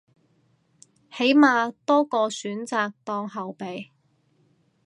起碼多個選擇當後備